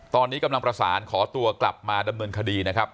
ตอนนี้กำลังประสานขอตัวกลับมาดำเนินคดีนะครับ